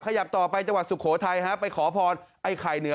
พยายามต่อไปจังหวัดสุขโขทัยไปขอพรให้ไข่เหนือ